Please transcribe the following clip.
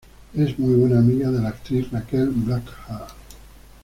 Es muy buena amiga de la actriz Rachel Blanchard.